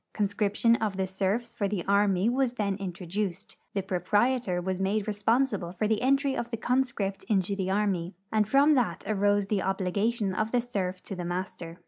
Conscription of the serfs for the army Avas then introduced, the proprietor Avas made responsible for the entry of the conscript into the army, and from that arose the obli gation of the serf to the master.